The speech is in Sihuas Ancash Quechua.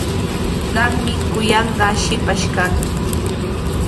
Qami kuyanqaa shipash kanki.